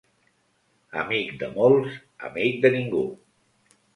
Amic de molts, amic de ningú.